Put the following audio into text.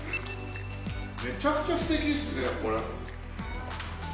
めちゃくちゃすてきですね、これ。